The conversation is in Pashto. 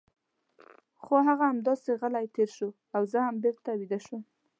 خو هغه همداسې غلی تېر شو او زه هم بېرته ویده شوم.